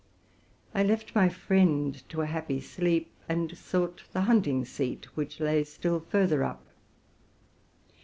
I left my friend to a happy sleep, and sought the hunting seat, which lay still farther up.